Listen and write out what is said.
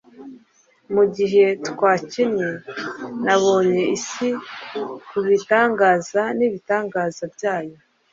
mugihe twakinnye nabonye isi kubitangaza n'ibitangaza byayo